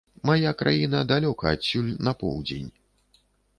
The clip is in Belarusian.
Мая краіна далёка адсюль на поўдзень.